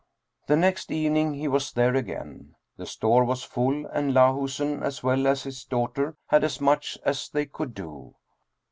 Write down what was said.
The next evening he was there again. The store was full, and Lahusen as well as his daughter had as much as they could do.